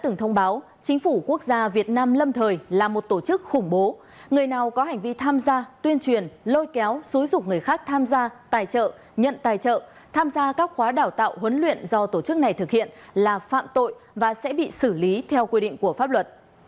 nhận tài trợ tham gia các khóa đào tạo huấn luyện do tổ chức này thực hiện là phạm tội và sẽ bị xử lý theo quy định của pháp luật